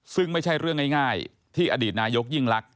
ซึ่งไม่ใช่เรื่องง่ายที่อดีตนายกยิ่งลักษ